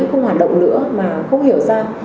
không hoạt động nữa mà không hiểu ra